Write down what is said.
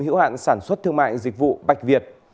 hiệu hạn sản xuất thương mại dịch vụ bạch việt